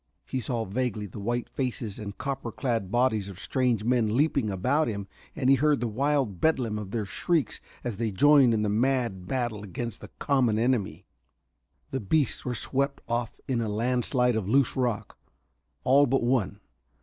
He saw vaguely the white faces and copper clad bodies of strange men leaping about him, and he heard the wild bedlam of their shrieks as they joined in the mad battle against the common enemy. The beasts were swept off in a landslide of loose rock all but one.